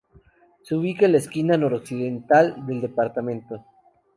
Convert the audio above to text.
Se ubica en la esquina noroccidental del departamento.